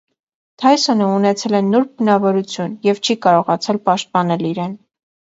Թայսոնը ունեցել է նուրբ բնավորություն և չի կարողացել պաշտպանել իրեն։